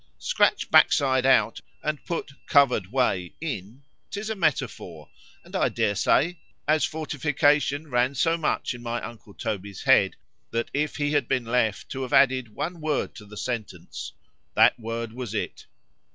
—Scratch Backside out, and put Cover'd way in, 'tis a Metaphor;—and, I dare say, as fortification ran so much in my uncle Toby's head, that if he had been left to have added one word to the sentence,——that word was it.